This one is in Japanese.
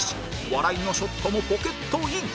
笑いのショットもポケットイン！